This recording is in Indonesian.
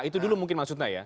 itu dulu mungkin maksudnya ya